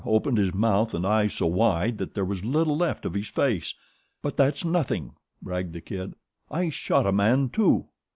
opened his mouth and eyes so wide that there was little left of his face. "But that's nothing," bragged The Kid. "I shot a man, too."